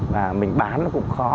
mà mình bán nó cũng khó